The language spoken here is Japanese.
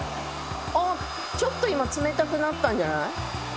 あっちょっと今冷たくなったんじゃない？